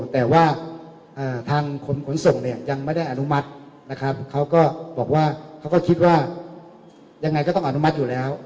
แต่ว่าทางคนขนส่งเนี่ยยังไม่ได้อนุมัตินะครับเขาก็บอกว่าเขาก็คิดว่ายังไงก็ต้องอนุมัติอยู่แล้ว